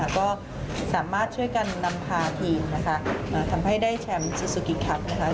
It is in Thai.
ก็สามารถช่วยกันนำพาทีมทำให้ได้แชมป์ซูซูกิคลับ